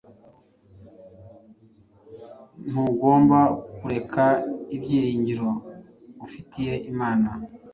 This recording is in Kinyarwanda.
Ntugomba kureka ibyiringiro ufitiye imana